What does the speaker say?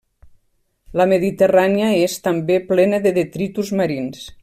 La Mediterrània és, també, plena de detritus marins.